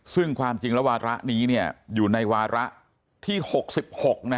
ซึ่งความจริงแล้ววาระนี้เนี่ยอยู่ในวาระที่หกสิบหกนะฮะ